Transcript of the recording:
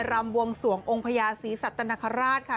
รำบวงสวงองค์พญาศรีสัตนคราชค่ะ